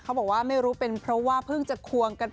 เขาบอกว่าไม่รู้เป็นเพราะว่าเพิ่งจะควงกัน